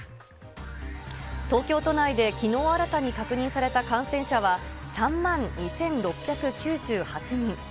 東京都内できのう新たに確認された感染者は３万２６９８人。